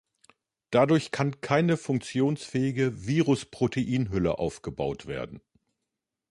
Dadurch kann keine funktionsfähige Virus-Proteinhülle aufgebaut werden.